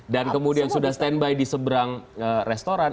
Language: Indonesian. dan kemudian sudah standby di seberang restoran